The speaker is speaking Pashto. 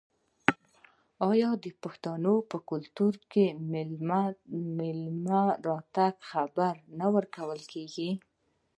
آیا د پښتنو په کلتور کې د میلمه د راتګ خبر نه ورکول کیږي؟